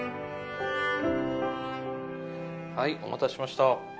はいお待たせしました。